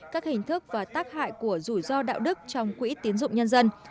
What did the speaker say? các hình thức và tác hại của rủi ro đạo đức trong quỹ tiến dụng nhân dân